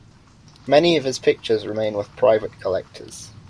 Many of his pictures remain with private collectors.